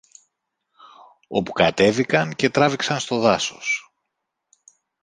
όπου κατέβηκαν και τράβηξαν στο δάσος.